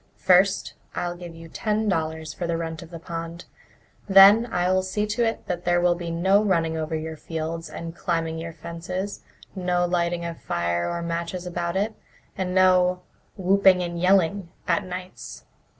First, I'll give you ten dollars for the rent of the pond; then I'll see that there will be no running over your fields and climbing your fences, no lighting of fire or matches about it, and no 'whooping and yelling' at nights.